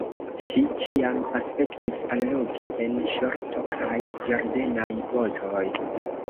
Ŝi ĉiam aspektis alloge en ŝorto kaj ĝardenaj botoj.